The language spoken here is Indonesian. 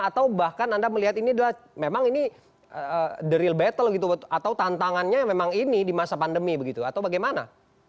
atau bahkan anda melihat ini adalah memang ini the real battle gitu atau tantangannya memang ini di masa pandemi begitu atau bagaimana